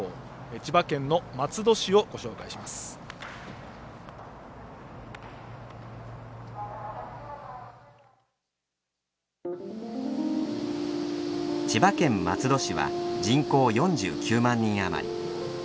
千葉県松戸市は人口４９万人余り。